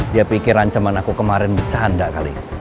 dia pikir ancaman aku kemarin bercanda kali